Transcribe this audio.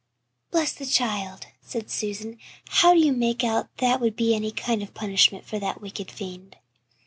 "Bless the child," said Susan, "how do you make out that would be any kind of a punishment for that wicked fiend?"